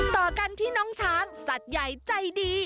ต่อกันที่น้องช้างสัตว์ใหญ่ใจดี